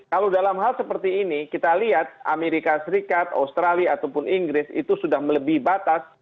kalau dalam hal seperti ini kita lihat amerika serikat australia ataupun inggris itu sudah melebihi batas